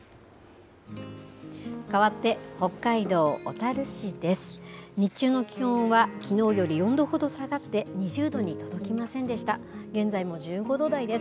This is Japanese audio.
かわって、北海道小樽市です。